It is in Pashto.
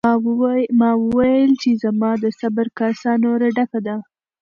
ما وویل چې زما د صبر کاسه نوره ډکه ده.